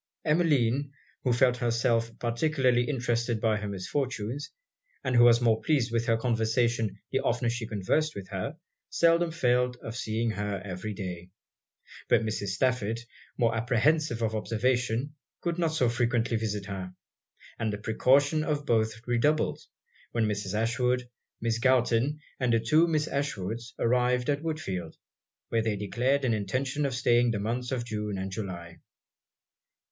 Emmeline, who felt herself particularly interested by her misfortunes, and who was more pleased with her conversation the oftener she conversed with her, seldom failed of seeing her every day: but Mrs. Stafford, more apprehensive of observation, could not so frequently visit her; and the precaution of both redoubled, when Mrs. Ashwood, Miss Galton, and the two Miss Ashwood's, arrived at Woodfield, where they declared an intention of staying the months of June and July.